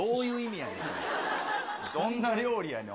どんな料理やねん。